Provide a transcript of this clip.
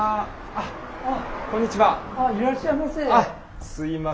あっいらっしゃいませ。